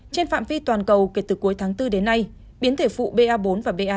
trên phạm vi toàn cầu kể từ cuối tháng bốn đến nay biến thể phụ ba bốn và ba